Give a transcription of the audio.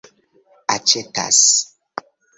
aĉetas